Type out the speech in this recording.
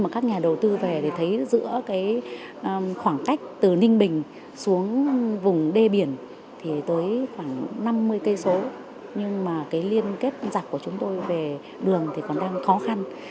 các nhà đầu tư về thấy giữa khoảng cách từ ninh bình xuống vùng đê biển tới khoảng năm mươi km nhưng liên kết dạc của chúng tôi về đường còn đang khó khăn